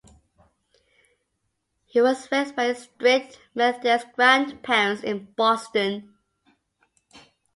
He was raised by his strict Methodist grandparents in Boston.